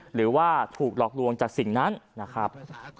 หรือว่าถูกหลอกลวงจากสิ่งนั้นนะครับ